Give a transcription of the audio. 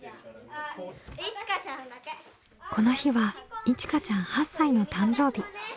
この日はいちかちゃん８歳の誕生日。